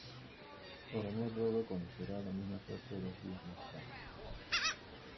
El coronel Robert conocerá la misma suerte dos días más tarde.